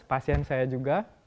pasien saya juga